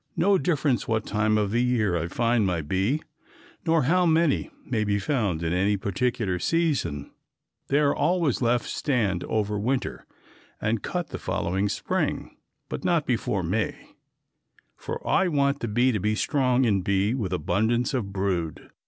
No difference what time of the year I find my bee nor how many may be found in any particular season, they are always left stand over winter and cut the following spring, but not before May, for I want the bee to be strong in bee with abundance of brood.